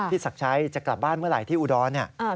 ศักดิ์ชัยจะกลับบ้านเมื่อไหร่ที่อุดรเนี่ย